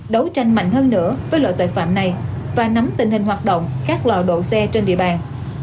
đấu tranh mạnh hơn nữa với loại tội phạm này và nắm tình hình hoạt động các lò độ xe trên địa bàn